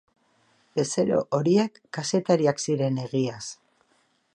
Bezero horiek kazetariak ziren egiaz.